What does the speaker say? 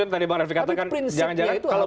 tapi prinsipnya itu harus ada